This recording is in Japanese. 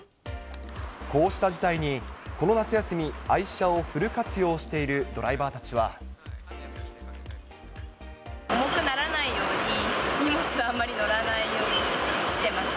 こうした事態に、この夏休み、愛車をフル活用しているドライバ重くならないように、荷物あんまり載らないようにしてます。